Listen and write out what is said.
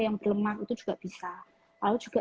yang berlemah itu juga bisa lalu juga